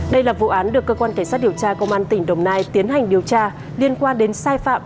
đây là vụ án được cơ quan cảnh sát điều tra công an tp hcm tiến hành điều tra liên quan đến sai phạm